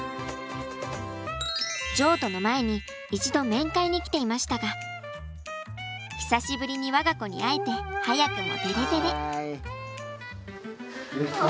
譲渡の前に一度面会に来ていましたが久しぶりに我が子に会えて早くもデレデレ。